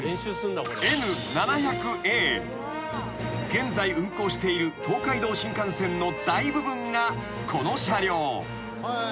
［現在運行している東海道新幹線の大部分がこの車両］